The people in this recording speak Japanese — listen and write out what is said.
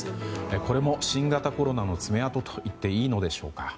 これも新型コロナの爪痕といっていいのでしょうか。